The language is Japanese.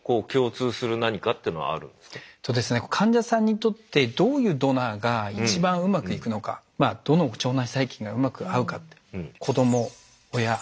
患者さんにとってどういうドナーが一番うまくいくのかまあどの腸内細菌がうまく合うかって。